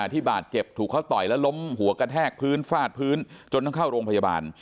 ที่บาดเจ็บถูกเขาต่อยและล้มหัวกระแทกพื้นฟาดพื้นจนต้องเข้าโรงพยาบาล